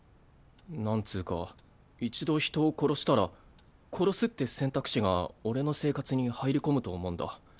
なんつぅか一度人を殺したら「殺す」って選択肢が俺の生活に入り込むと思うんだ。